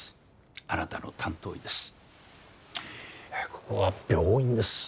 ここは病院です。